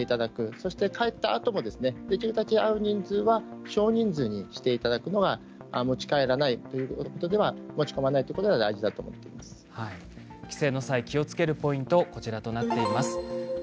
そして帰ったあともできるだけ会う人数は少人数にしていただくのが持ち帰らないということでは持ち込まないということでは帰省の際気をつけるポイントです。